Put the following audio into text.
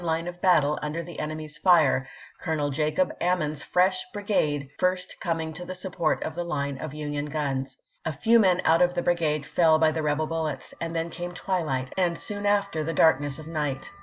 line of battle under the enemy's fire, Colonel Jacob Ammen's fresh brigade first coming to the support of the line of Union guns. A few men out of the brigade fell by the rebel bullets, and then came twilight, and soon after the darkness of night.